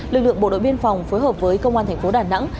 lực lượng bộ đội biên phòng phối hợp với công an tp đà nẵng